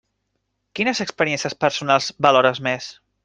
Quines experiències personals valores més?